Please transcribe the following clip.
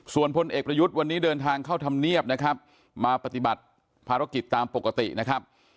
ส่วนพลเอกประยุทธ์วันนี้เดินทางเข้าธรรมเนียบนะครับมาปฏิบัติภารกิจตามปกตินะครับ